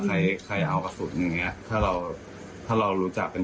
ใครเป็นคนส่งให้กระสุนปืนกับปืน